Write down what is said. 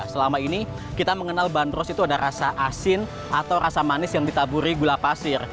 selama ini kita mengenal bandros itu ada rasa asin atau rasa manis yang ditaburi gula pasir